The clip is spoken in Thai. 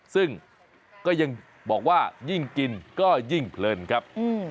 ซึ่งก็ยังบอกว่ายิ่งกินก็ยิ่งเพลินครับ